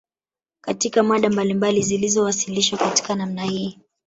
Katika mada mbalimbali zilizowasilishwa katika namna hii